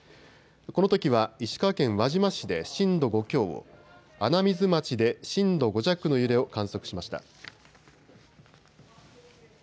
このときは石川県輪島市で震度５強を、穴水町で震度５弱の揺れを観測しました。